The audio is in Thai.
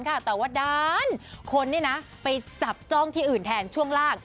แต่ว่าด้านคนไปจับจ้องที่อื่นแทนช่วงล่าง